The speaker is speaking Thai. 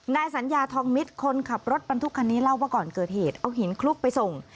นายสัญญาทองมิตรคนขับรถบรรทุกคันนี้เล่าว่าก่อนเกิดเหตุเอาหินคลุกไปส่ง